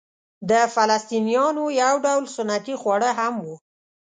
د فلسطنیانو یو ډول سنتي خواړه هم وو.